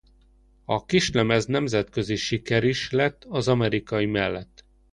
A kislemez nemzetközi siker is lett az amerikai mellett.